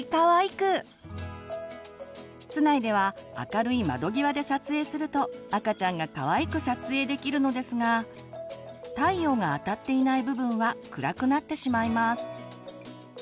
室内では明るい窓際で撮影すると赤ちゃんがかわいく撮影できるのですが太陽があたっていない部分は暗くなってしまいます。